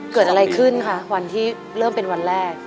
เกิดอะไรขึ้นคะวันที่เริ่มเป็นวันแรก